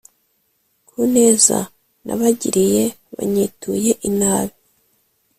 Ku neza nabagiriye banyituye inabi